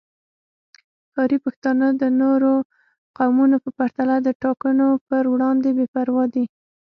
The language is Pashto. ښاري پښتانه د نورو قومونو په پرتله د ټاکنو پر وړاندې بې پروا دي